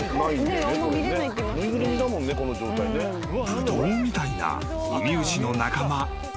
「はーい」［ブドウみたいなウミウシの仲間］